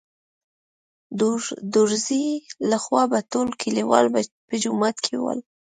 دورځې له خوا به ټول کليوال په جومات کې ول.